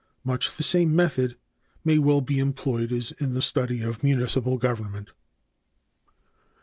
Much the same method may well be employed as in the study of municipal government.